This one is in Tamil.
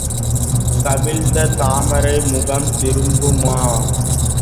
கவிழ்ந்த தாமரை முகம் திரும்புமா?